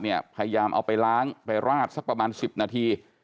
พยายามเอาไปล้างไปราดสักประมาณ๑๐นาที